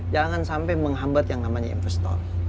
jangan sampai menghambat yang namanya investor